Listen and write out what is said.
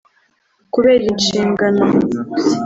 kubera inshingano